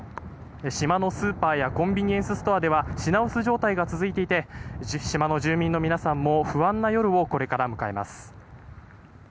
島のスーパーやコンビニエンスストアでは品薄状態が続いていて島の住民の皆さんもこれから不安な夜を迎えます。